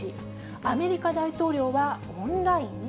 アメリカ大統領はオンライン？